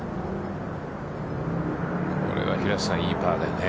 これは平瀬さん、いいパーだよね。